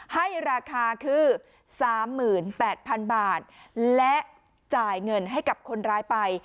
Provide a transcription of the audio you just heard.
ให้ราคาคือสามหมื่นแปดพันบาทและจ่ายเงินให้กับคนร้ายไป